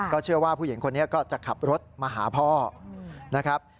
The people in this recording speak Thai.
เชื่อว่าผู้หญิงคนนี้ก็จะขับรถมาหาพ่อนะครับ